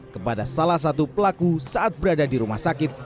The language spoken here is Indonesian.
kepada salah satu pelaku saat berada di rumah sakit